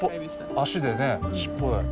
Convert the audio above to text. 脚でね尻尾で。